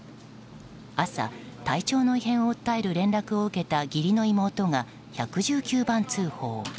朝、体調の異変を訴える連絡を受けた義理の妹が１１９番通報。